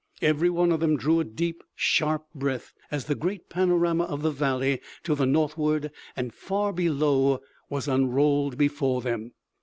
Every one of them drew a deep, sharp breath, as the great panorama of the valley to the northward and far below was unrolled before them.